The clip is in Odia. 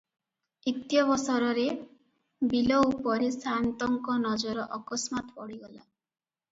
ଇତ୍ୟବସରରେ ବିଲ ଉପରେ ସାଆନ୍ତଙ୍କ ନଜର ଅକସ୍ମାତ ପଡ଼ିଗଲା ।